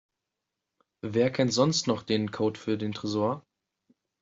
Wer kennt sonst noch den Code für den Tresor?